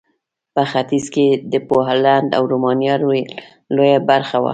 په ختیځ کې د پولنډ او رومانیا لویه برخه وه.